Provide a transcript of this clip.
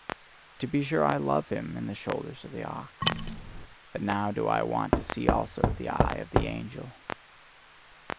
To be sure, I love in him the shoulders of the ox: but now do I want to see also the eye of the angel.